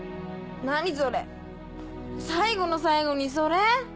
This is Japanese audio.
何それ最後の最後にそれ？